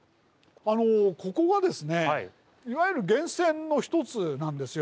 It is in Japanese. ここはですねいわゆる源泉の一つなんですよ。